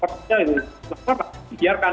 ternyata lapor lah dibiarkan